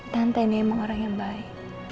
tante ini emang orang yang baik